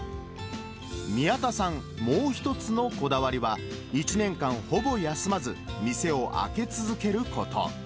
宮田さん、もう一つのこだわりは、１年間ほぼ休まず、店を開け続けること。